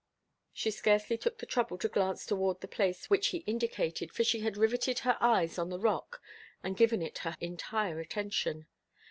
She scarcely took the trouble to glance toward the place which he indicated, for she had riveted her eyes on the rock and given it her entire attention.